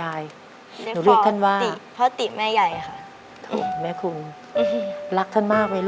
อาคานร่างบ้าง